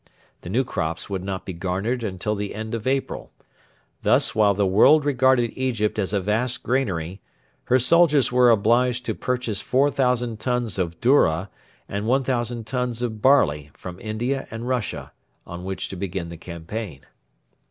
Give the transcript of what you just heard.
The new crops could not be garnered until the end of April. Thus while the world regarded Egypt as a vast granary, her soldiers were obliged to purchase 4,000 tons of doura and 1,000 tons of barley from India and Russia on which to begin the campaign.